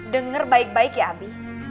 dengar baik baik ya abi